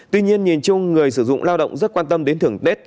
tuy nhiên nhìn chung người sử dụng lao động rất quan tâm đến thưởng tết